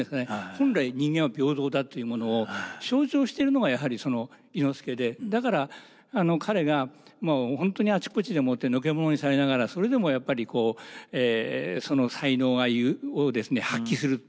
本来人間は平等だというものを象徴しているのがやはりその伊之助でだから彼がもう本当にあちこちでもってのけ者にされながらそれでもやっぱりその才能をですね発揮する。